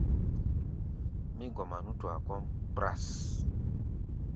Mí gɔma nútua kɔ́ʼm kpras.